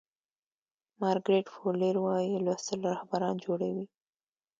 مارګریت فو لیر وایي لوستل رهبران جوړوي.